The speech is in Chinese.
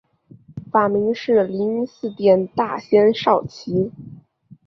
法名是灵云寺殿大仙绍其。